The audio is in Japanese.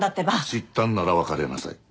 知ったんなら別れなさい。